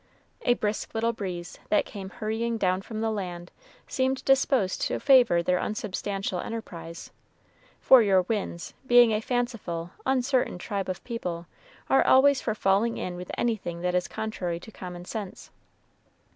A brisk little breeze, that came hurrying down from the land, seemed disposed to favor their unsubstantial enterprise, for your winds, being a fanciful, uncertain tribe of people, are always for falling in with anything that is contrary to common sense.